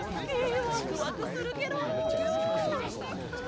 ワクワクするケロ！はあ